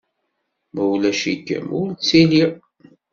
Ma ulac-ikem, ur ttiliɣ.